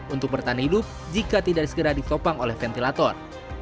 untuk bertahan hidup jika tidak segera ditopang oleh ventilator